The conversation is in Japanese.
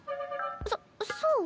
そそう？